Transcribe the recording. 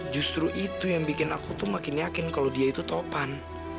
justru itu yang bikin aku tuh makin yakin kalau dia itu topan